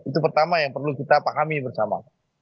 itu pertama yang perlu kita pahami bersama